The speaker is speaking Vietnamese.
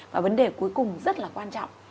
và vấn đề cuối cùng rất là quan trọng